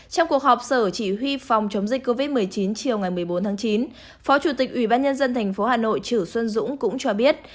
trong cuộc họp sở chỉ huy phòng chống dịch covid một mươi chín chiều ngày một mươi bốn tháng chín phó chủ tịch ủy ban nhân dân tp hà nội chử xuân dũng cũng cho biết